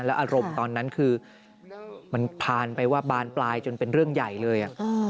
อารมณ์ตอนนั้นคือมันผ่านไปว่าบานปลายจนเป็นเรื่องใหญ่เลย